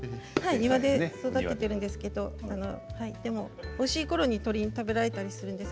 庭で育てているんですけどおいしいころに鳥に食べられたりするんです。